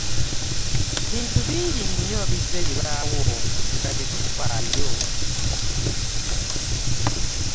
Bintu bingi nnyo bizze bibaawo nga tetufaayo.